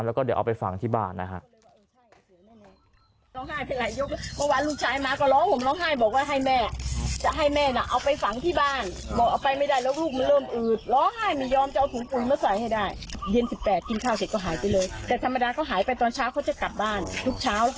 แล้วก็เดี๋ยวเอาไปฝังที่บ้านนะฮะ